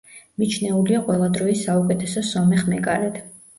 მიჩნეულია ყველა დროის საუკეთესო სომეხ მეკარედ.